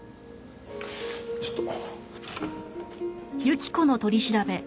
ちょっと。